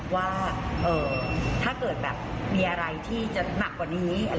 ว่าถ้าเกิดแบบมีอะไรที่จะหนักกว่านี้